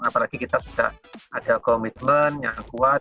apalagi kita sudah ada komitmen yang kuat